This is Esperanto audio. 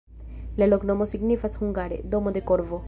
La loknomo signifas hungare: domo de korvo.